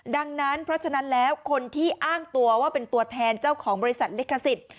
ดังนั้นเพราะฉะนั้นแล้วคนที่อ้างตัวว่าเป็นตัวแทนเจ้าของบริษัทลิขสิทธิ์